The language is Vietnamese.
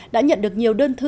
đã nhận được nhiều đơn thư